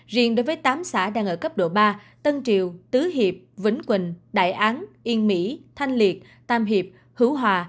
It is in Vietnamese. riêng đối với tám xã đang ở cấp độ ba tân triều tứ hiệp vĩnh quỳnh đại án yên mỹ thanh liệt tam hiệp hữu hòa